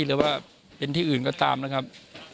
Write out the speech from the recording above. หรือว่าเป็นที่อื่นก็ตามนะครับ